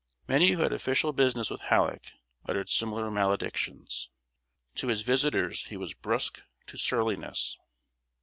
Many who had official business with Halleck uttered similar maledictions. To his visitors he was brusque to surliness.